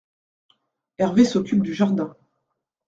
Hervé s’occupe du jardin.